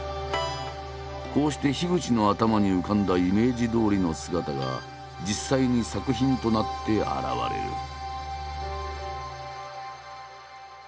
こうして口の頭に浮かんだイメージどおりの姿が実際に作品となって現れる。